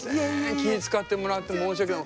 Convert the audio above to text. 気ぃ遣ってもらって申し訳ない。